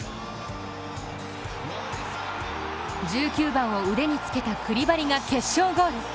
１９番を腕につけたクリバリが決勝ゴール。